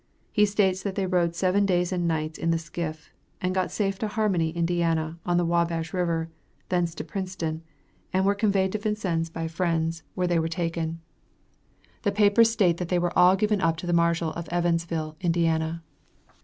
He states that they rowed seven days and nights in the skiff, and got safe to Harmony, Ind., on the Wabash river, thence to Princeton, and were conveyed to Vincennes by friends, where they were taken. The papers state, that they were all given up to the Marshal of Evansville, Indiana.